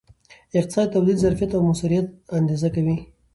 اقتصاد د تولید ظرفیت او موثریت اندازه کوي.